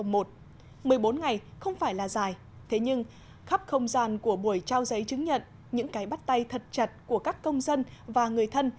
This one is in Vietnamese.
một mươi bốn ngày không phải là dài thế nhưng khắp không gian của buổi trao giấy chứng nhận những cái bắt tay thật chặt của các công dân và người thân